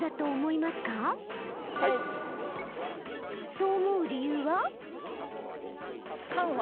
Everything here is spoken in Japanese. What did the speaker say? そう思う理由は？